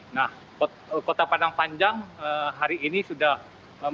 nah kota padang panjang hari ini sudah melakukan penyekatan